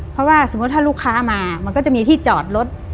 เพราะว่าสมมุติถ้าลูกค้ามามันก็จะมีที่จอดรถ